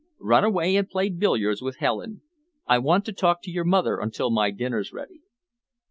"Run away and play billiards with Helen. I want to talk to your mother until my dinner's ready."